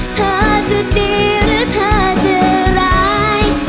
เธอจะตีหรือเธอจะร้าย